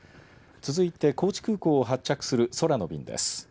続いて高知空港を発着する空の便です。